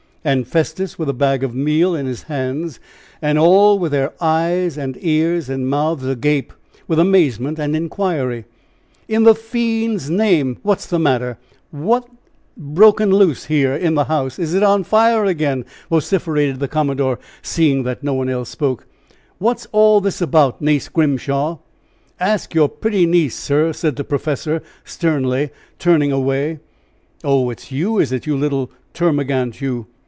And Festus, with a bag of meal in his hands. And all with their eyes and ears and mouths agape with amazement and inquiry. "In the fiend's name, what's the matter? What the d l's broke loose? Is the house on fire again?" vociferated the commodore, seeing that no one else spoke; "what's all this about, Nace Grimshaw?" "Ask your pretty niece, sir!" said the professor, sternly, turning away. "Oh, it's you, is it, you little termagant you?